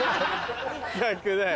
逆だよ。